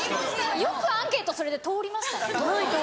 よくアンケートそれで通りましたね。